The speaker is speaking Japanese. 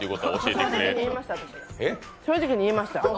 正直に言いました、私。